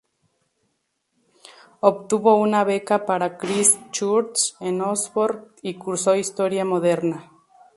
Obtuvo una beca para Christ Church, en Oxford, y cursó Historia Moderna.